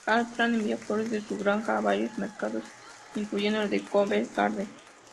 Hartland enviaba flores de su granja a varios mercados, incluyendo el de Covent Garden.